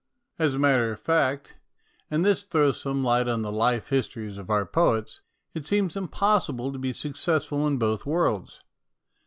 As a matter of fact (and this throws some light on the life histories of our poets) it seems impossible to be suc cessful in both worlds.